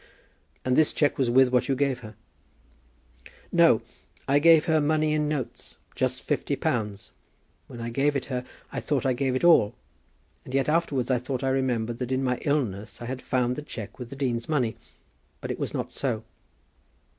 "And this cheque was with what you gave her?" "No; I gave her money in notes, just fifty pounds. When I gave it her, I thought I gave it all; and yet afterwards I thought I remembered that in my illness I had found the cheque with the dean's money. But it was not so."